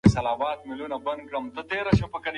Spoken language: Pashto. کچالو تر پیازو ډیرې اوبه غواړي.